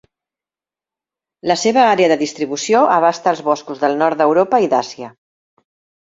La seva àrea de distribució abasta els boscos del nord d'Europa i d'Àsia.